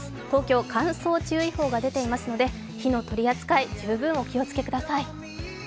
東京、乾燥注意報が出ていますので火の取り扱い十分、お気をつけください。